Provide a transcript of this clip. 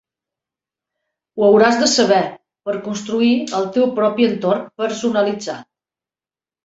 Ho hauràs de saber per construir el teu propi entorn personalitzat.